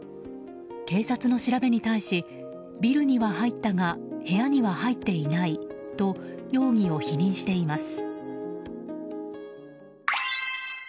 警察の調べに対しビルには入ったが部屋には入っていないと容疑を否認しています。